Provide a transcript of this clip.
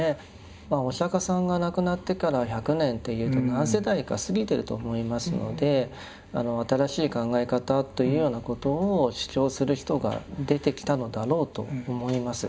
まあお釈迦さんが亡くなってから１００年といえど何世代か過ぎていると思いますので新しい考え方というようなことを主張する人が出てきたのだろうと思います。